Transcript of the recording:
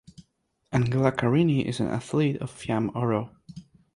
Angela Carini is an athlete of Fiamme Oro.